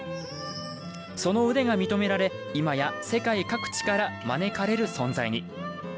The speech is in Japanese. その腕が認められ今や世界各地から招かれる存在に。